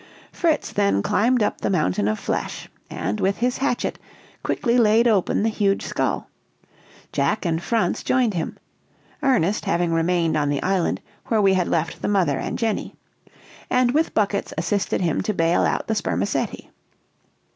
Fritz then climbed up the mountain of flesh, and with his hatchet quickly laid open the huge skull; Jack and Franz joined him, Ernest having remained on the island, where we had left the mother and Jenny, and with buckets assisted him to bail out the spermaceti.